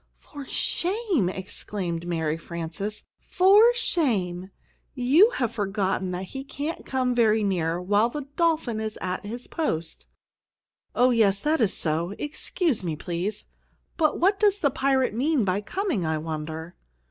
"For shame!" exclaimed Mary Frances. "For shame! You have forgotten that he can't come very near while the dolphin is at his post!" "Oh, yes; that is so. Excuse me, please. But what does the pirate mean by coming, I wonder?"